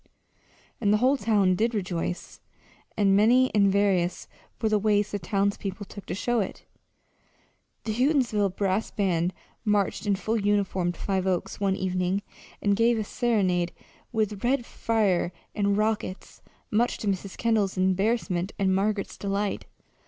And the whole town did rejoice and many and various were the ways the townspeople took to show it. The Houghtonsville brass band marched in full uniform to Five Oaks one evening and gave a serenade with red fire and rockets, much to Mrs. Kendall's embarrassment and Margaret's delight.